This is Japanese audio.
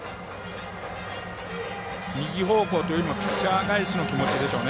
右方向というよりもピッチャー返しの気持ちでしょう。